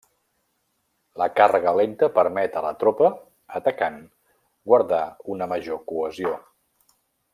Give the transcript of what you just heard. La càrrega lenta permet a la tropa atacant guardar una major cohesió.